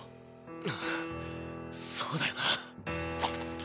あぁそうだよな。